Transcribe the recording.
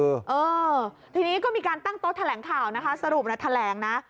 เออทีนี้ก็มีการตั้งโต๊ะแถลงข่าวนะคะสรุปนะแถลงนะ